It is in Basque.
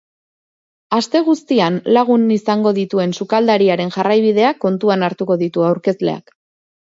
Aste guztian lagun izango dituen sukaldariaren jarraibideak kontutan hartuko ditu aurkezleak.